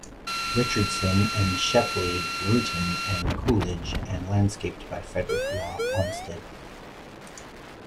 Richardson and Shepley, Rutan and Coolidge and landscaped by Frederick Law Olmsted.